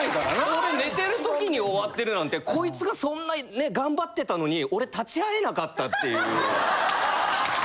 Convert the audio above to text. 俺寝てる時に終わってるなんてこいつがそんなにね頑張ってたのに俺立ち会えなかったっていう。